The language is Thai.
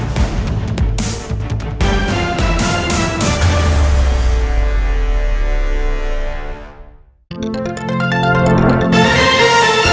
โปรดติดตามตอนต่อไป